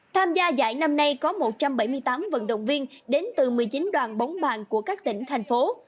tham gia giải năm nay có một trăm bảy mươi tám vận động viên đến từ một mươi chín đoàn bóng bàn của các tỉnh thành phố